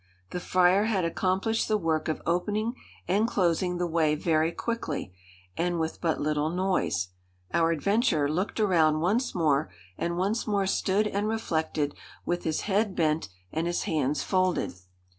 The friar had accomplished the work of opening and closing the way very quickly, and with but little noise. Our adventurer looked around once more, and once more stood and reflected, with his head bent and his hands folded.